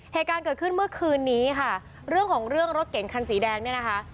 เหตุการณ์เกิดขึ้นเมื่อคืนนี้ค่ะเรื่องของเรื่องรถเก่งคันสีแดงเนี่ยนะคะ